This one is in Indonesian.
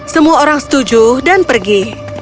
semua orang setuju dan pergi